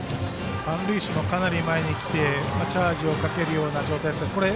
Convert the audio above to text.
三塁手もかなり前に来てチャージをかける状態です。